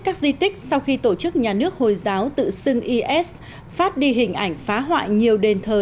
các di tích sau khi tổ chức nhà nước hồi giáo tự xưng is phát đi hình ảnh phá hoại nhiều đền thờ